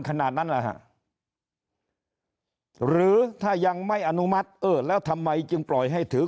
ขนาดนั้นแหละฮะหรือถ้ายังไม่อนุมัติเออแล้วทำไมจึงปล่อยให้ถือ